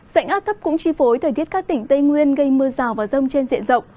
sảnh áp thấp cũng chi phối thời tiết các tỉnh tây nguyên gây mưa rào và rông trên diện rộng